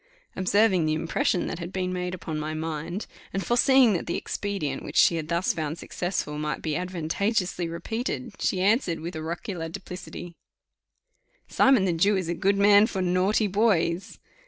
Observing the impression that had been made upon my mind, and foreseeing that the expedient, which she had thus found successful, might be advantageously repeated, she answered with oracular duplicity, "Simon the Jew is a good man for naughty boys."